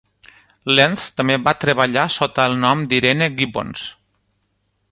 Lentz també va treballar sota el nom d'Irene Gibbons.